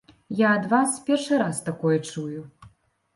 Я ад вас першы раз такое чую!